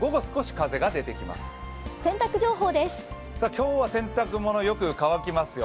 今日は洗濯物よく乾きますよ。